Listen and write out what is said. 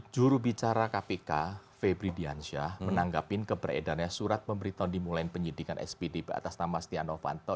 jurubicara kpk febriansya menanggapin keberedarnya surat pemberitahuan dimulai penyidikan sbdp atas nama stenovanto